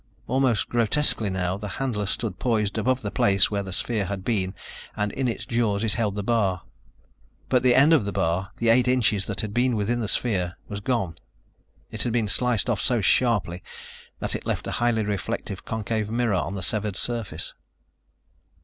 Almost grotesquely now, the handler stood poised above the place where the sphere had been and in its jaws it held the bar. But the end of the bar, the eight inches that had been within the sphere, was gone. It had been sliced off so sharply that it left a highly reflective concave mirror on the severed surface.